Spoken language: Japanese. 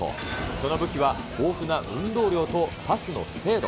その武器は、豊富な運動量とパスの精度。